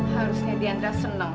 harusnya dian dah seneng